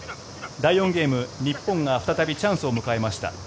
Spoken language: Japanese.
第４ゲーム日本が再びチャンスを迎えました